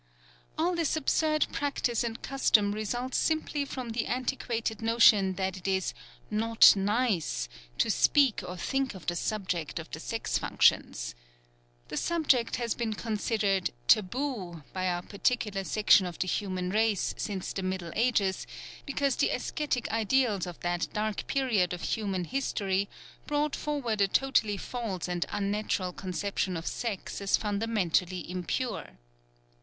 All this absurd practice and custom results simply from the antiquated notion that it is "not nice" to speak or think of the subject of the sex functions. The subject has been considered "taboo" by our particular section of the human race since the Middle Ages, because the ascetic ideals of that dark period of human history brought forward a totally false and unnatural conception of sex as fundamentally impure.